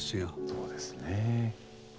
そうですね。